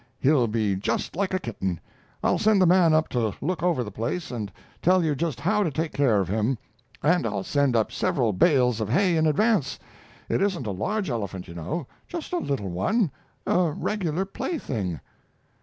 He'll be just like a kitten. I'll send the man up to look over the place and tell you just how to take care of him, and I'll send up several bales of hay in advance. It isn't a large elephant, you know: just a little one a regular plaything."